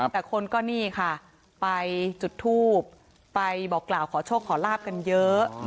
แต่คนก็นี่ค่ะไปจุดทูบไปบอกกล่าวขอโชคขอลาบกันเยอะ